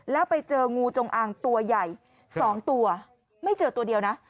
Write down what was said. แล้วไปเจองูจงอางตัวใหญ่๒ตัวไม่เจอตัวเดียวนะ